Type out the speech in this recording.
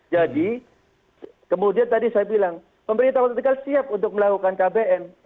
jadi kemudian tadi saya bilang pemerintah kota tegal siap untuk melakukan kbn